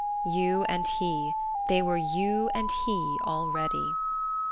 "You and he": they were "you and he" already!